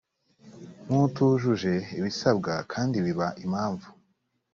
nk utujuje ibisabwa kandi biba impamvu